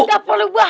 gak perlu banget